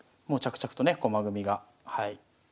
もう着々とね駒組みがはい。